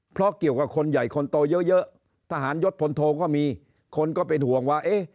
เพราะเกี่ยวกับคนใหญ่คนโตเยอะทหารยศพลโทก็มีคนก็เป็นห่วงว่าเอ๊ะ